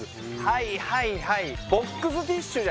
はいはいはい。